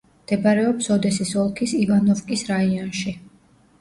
მდებარეობს ოდესის ოლქის ივანოვკის რაიონში.